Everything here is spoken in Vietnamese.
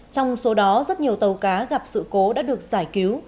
trong số đó rất nhiều tàu cá gặp sự cố đã được giải cứu